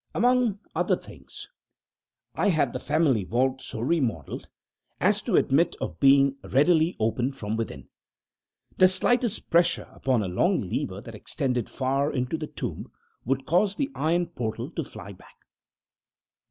Among other things, I had the family vault so remodelled as to admit of being readily opened from within. The slightest pressure upon a long lever that extended far into the tomb would cause the iron portal to fly back.